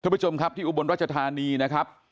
ผู้ชมครับที่อุบลรัชธานีนะครับ